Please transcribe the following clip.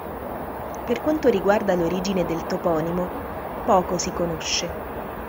Per quanto riguarda l'origine del toponimo poco si conosce.